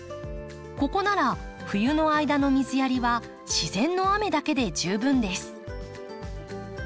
ここなら冬の間の水やりは自然の雨だけで十分です。